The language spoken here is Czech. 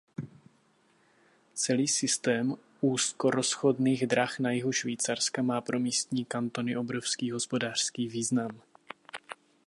Celý systém úzkorozchodných drah na jihu Švýcarska má pro místní kantony obrovský hospodářský význam.